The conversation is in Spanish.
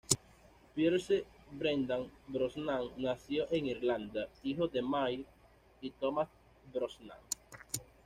Pierce Brendan Brosnan nació en Irlanda, hijo de May y Thomas Brosnan.